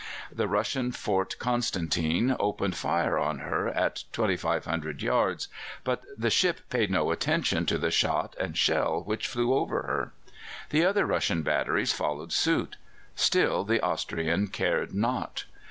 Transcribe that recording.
The Russian Fort Constantine opened fire on her at 2,500 yards, but the ship paid no attention to the shot and shell which flew over her. The other Russian batteries followed suit; still the Austrian cared not.